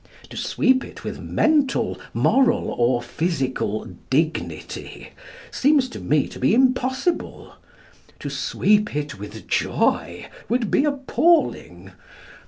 To sweep it with mental, moral, or physical dignity seems to me to be impossible. To sweep it with joy would be appalling.